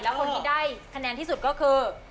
แล้วคนที่ได้คะแนนที่สุดก็คือ